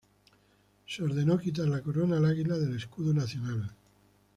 Se ordenó quitar la corona al águila del escudo nacional.